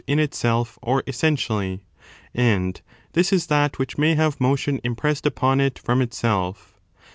moved iu itself or essentially, and this is that which may have motion impressed upon it from itself.